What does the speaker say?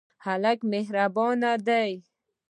هلک مهربان دی.